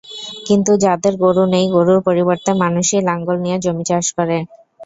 কিন্তু যাদের গরু নেই, গরুর পরিবর্তে মানুষই লাঙল নিয়ে জমি চাষ করে।